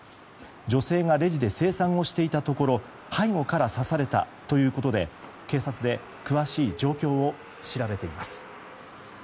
女性がレジで精算をしていたところ背後から刺されたということで警察で詳しい状況を調べています。